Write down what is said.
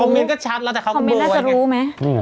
เมนต์ก็ชัดแล้วแต่เขาคอมเมนต์น่าจะรู้ไหม